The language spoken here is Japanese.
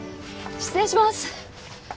失礼します！